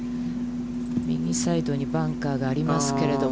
右サイドにバンカーがありますけれども。